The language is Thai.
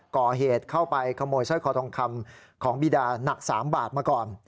ก่อเหตุเข้าไปขโมยสร้อยคอทองคำของบีดาหนัก๓บาทมาก่อน